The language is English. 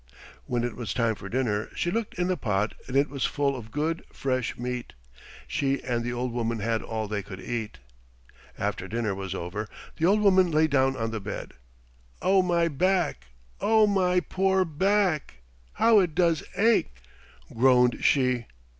When it was time for dinner she looked in the pot and it was full of good, fresh meat. She and the old woman had all they could eat. After dinner was over the old woman lay down on the bed. "Oh, my back! Oh, my poor back! How it does ache," groaned she.